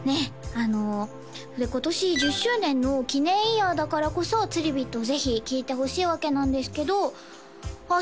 あの今年１０周年の記念イヤーだからこそつりビットをぜひ聴いてほしいわけなんですけどあっ